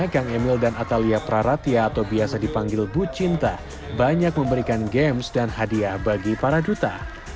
kang emil dan atalia praratia atau biasa dipanggil bu cinta banyak memberikan games dan hadiah bagi para duta